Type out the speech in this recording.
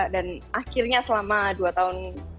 dan akhirnya selama dua tahun